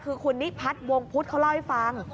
คือคุณนิพัฒน์วงพุทธเขาเล่าให้ฟัง